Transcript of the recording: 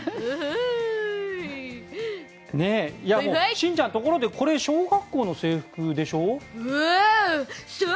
しんちゃん、ところでこれ小学校の制服でしょう？